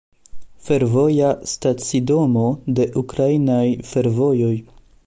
Fervoja stacidomo de Ukrainaj fervojoj.